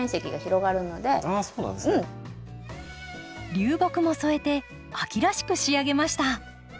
流木も添えて秋らしく仕上げました。